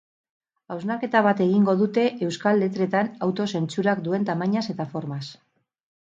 Hausnarketa bat egingo dute euskal letretan auto-zentsurak duen tamainaz eta formaz.